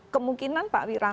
kemungkinan pak wirang